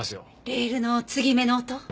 レールの継ぎ目の音？